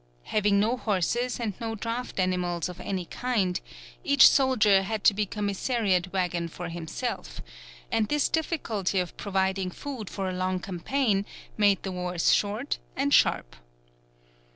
Having no horses and no draught animals of any kind, each soldier had to be commissariat waggon for himself, and this difficulty of providing food for a long campaign made the wars short and sharp.